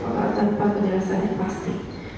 tanpa penjelasan yang pasti